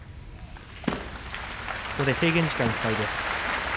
制限時間いっぱいです。